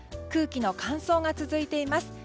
空気の乾燥が続いています。